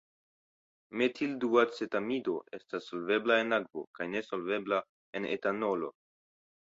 Metilduacetamido estas solvebla en akvo kaj nesolvebla en etanolo.